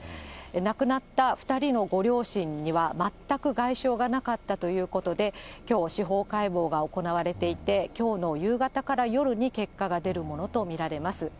亡くなった２人のご両親には全く外傷がなかったということで、きょう、司法解剖が行われていて、きょうの夕方から夜に結果が出るものと見られます。